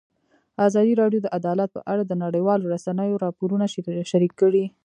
ازادي راډیو د عدالت په اړه د نړیوالو رسنیو راپورونه شریک کړي.